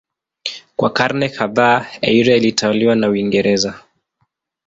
Kwa karne kadhaa Eire ilitawaliwa na Uingereza.